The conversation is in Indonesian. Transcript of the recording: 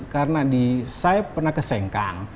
karena saya pernah ke sengkang